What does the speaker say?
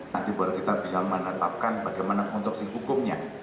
nanti baru kita bisa menetapkan bagaimana konstruksi hukumnya